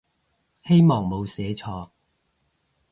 希望冇寫錯